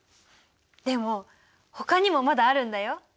でもほかにもまだあるんだよ。